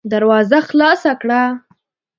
دروازه خلاصه کړه!